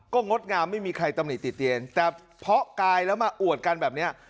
ก็งดงามไม่มีใครตำหนิติเตียนแต่เพาะกายแล้วมาอวดกันแบบนี้